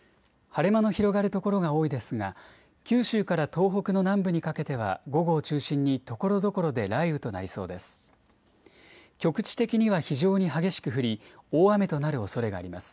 晴れ間の広がる所が多いですが九州から東北の南部にかけては午後を中心にところどころで雷雨となりそうです。